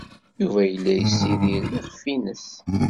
Yuba yella yessidir iɣef-nnes.